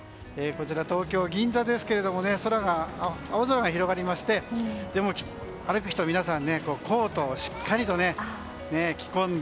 東京・銀座ですが青空が広がりましてでも、歩く人皆さんコートをしっかりと着込んで。